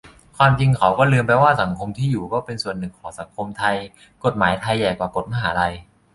ความจริงเขาก็ลืมไปว่าสังคมที่อยู่ก็เป็นส่วนหนึ่งของสังคมไทย กฎหมายไทยใหญ่กว่ากฎมหาลัย